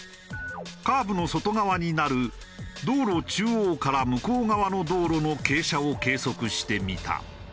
カーブの外側になる道路中央から向こう側の道路の傾斜を計測してみた。